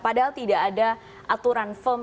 padahal tidak ada aturan firm